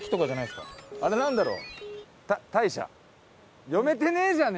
あれなんだろう？